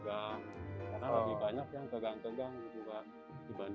karena lagi banyak yang kegang kegang gitu pak